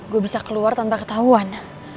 gue bisa keluar tanpa ketahuan